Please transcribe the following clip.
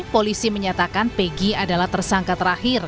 polisi menyatakan pg adalah tersangka terakhir